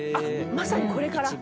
まさにこれから。